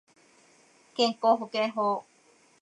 健康保険法